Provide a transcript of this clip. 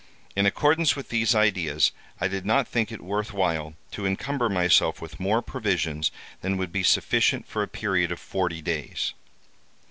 In accordance with these ideas, I did not think it worth while to encumber myself with more provisions than would be sufficient for a period of forty days.